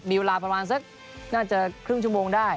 มีเวลาประมาณสักน่าจะครึ่งชั่วโมงได้